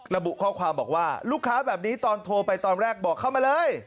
ระบุข้อความบอกว่าลูกค้าแบบนี้ตอนโทรไปตอนแรกบอกเข้ามาเลย